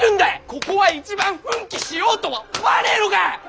ここは一番奮起しようとは思わねぇのか！